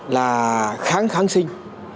là kháng kháng sinh